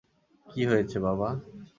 কী হয়েছে, বাবা?